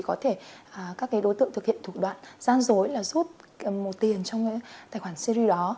có thể các đối tượng thực hiện thủ đoạn gian dối là rút một tiền trong tài khoản series đó